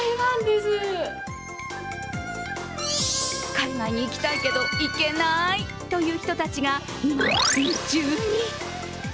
海外に行きたいけど行けなーいという人たちが今、夢中に！